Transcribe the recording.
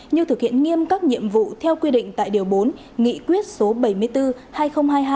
như thực hiện nghiêm các nhiệm vụ theo quy định tại điều bốn nghị quyết số bảy mươi bốn hai nghìn hai mươi hai